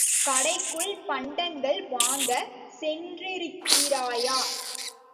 கடைக்குள் பண்டங்கள் வாங்கச் சென்றிருக்கிறாயா?